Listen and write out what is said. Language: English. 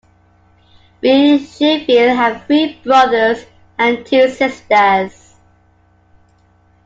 Biesheuvel had three brothers and two sisters.